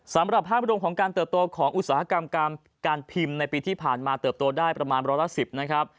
สำหรับภาพรวมของการเติบโตของอุตสาหกรรมการพิมพ์ในปีที่ผ่านมาเติบโตได้ประมาณร้อยละ๑๐นะครับ